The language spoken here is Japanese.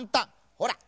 ほら！